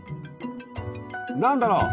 何だろう？